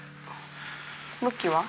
向きは？